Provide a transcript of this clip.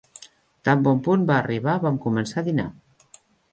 Tan bon punt va arribar, vam començar a dinar.